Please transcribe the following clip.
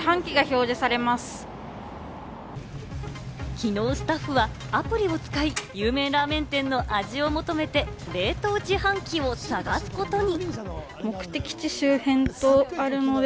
昨日、スタッフはアプリを使い、有名ラーメン店の味を求めて、冷凍自販機を探すことに。